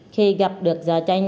khi gặp được gia tranh